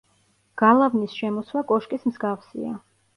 გალავნის შემოსვა კოშკის მსგავსია.